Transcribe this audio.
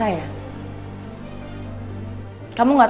saya tadi berhenti buatmu wolltu